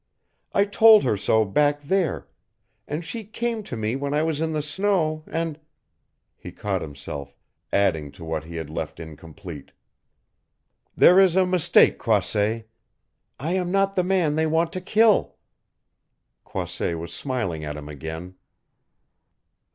I told her so back there, and she came to me when I was in the snow and " He caught himself, adding to what he had left incomplete. "There is a mistake, Croisset. I am not the man they want to kill!" Croisset was smiling at him again.